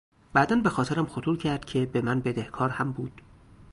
بعدا به خاطرم خطور کرد که به من بدهکار هم بود.